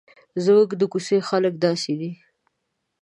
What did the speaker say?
زموږ د کوڅې خلک داسې دي.